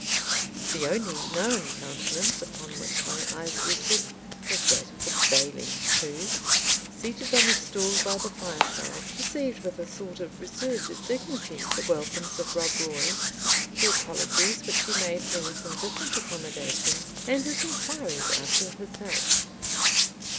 The only known countenance upon which my eyes rested was that of the Bailie, who, seated on a stool by the fireside, received with a sort of reserved dignity, the welcomes of Rob Roy, the apologies which he made for his indifferent accommodation, and his inquiries after his health.